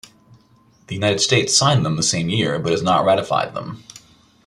The United States signed them the same year but has not ratified them.